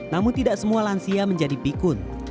namun tidak semua lansia menjadi pikun